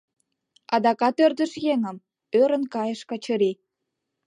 — Адакат ӧрдыж еҥым?! — ӧрын кайыш Качырий.